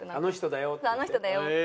「あの人だよ」って。